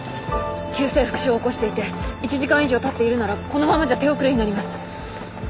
急性腹症を起こしていて１時間以上たっているならこのままじゃ手遅れになります。